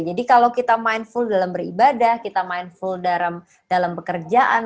jadi kalau kita mindful dalam beribadah kita mindful dalam bekerjaan